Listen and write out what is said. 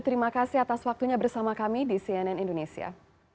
terima kasih atas waktunya bersama kami di cnn indonesia